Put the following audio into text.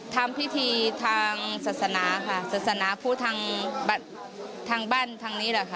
ทำพิธีทางศาสนาค่ะศาสนาผู้ทางบ้านทางนี้แหละค่ะ